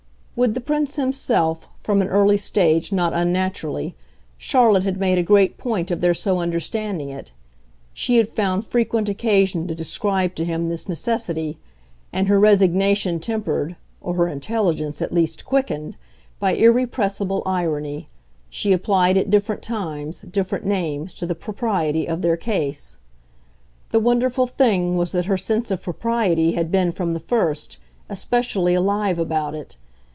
With the Prince himself, from an early stage, not unnaturally, Charlotte had made a great point of their so understanding it; she had found frequent occasion to describe to him this necessity, and, her resignation tempered, or her intelligence at least quickened, by irrepressible irony, she applied at different times different names to the propriety of their case. The wonderful thing was that her sense of propriety had been, from the first, especially alive about it.